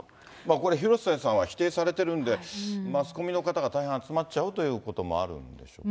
これ、広末さんは否定されてるんで、マスコミの方が大変集まっちゃうということもあるんでしょうね。